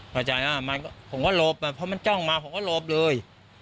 ผมก็ลบพอมันจ้องมาผมก็ลบเลย